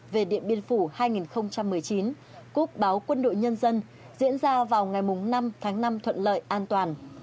về điện biên phủ hai nghìn một mươi chín cúp báo quân đội nhân dân diễn ra vào ngày năm tháng năm thuận lợi an toàn